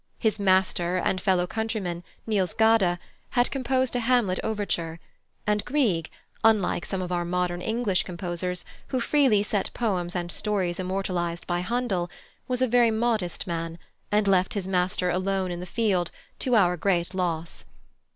His master and fellow countryman, Niels Gade, had composed a Hamlet overture, and Grieg, unlike some of our modern English composers, who freely set poems and stories immortalised by Handel, was a very modest man, and left his master alone in the field, to our great loss.